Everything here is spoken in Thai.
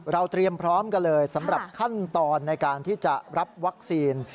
เตรียมพร้อมกันเลยสำหรับขั้นตอนในการที่จะรับวัคซีน